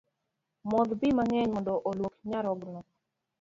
Modh pi mang’eny mond oluok nyarogno